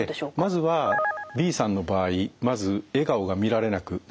まずはＢさんの場合まず笑顔が見られなくなりました。